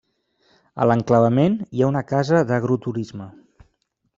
A l'enclavament hi ha una casa d'agroturisme.